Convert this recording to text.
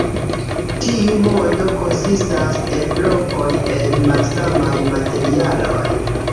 Tiu mondo konsistas el blokoj el malsamaj materialoj.